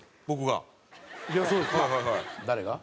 僕が？